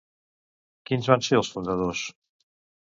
Quins van ser els fundadors?